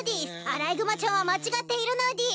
アライグマちゃんは間違っているのでぃす！